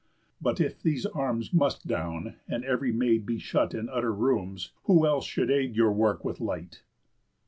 But if these arms must down, and ev'ry maid Be shut in utter rooms, who else should aid Your work with light?"